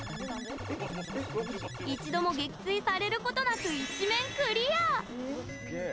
一度も撃墜されることなく１面クリア！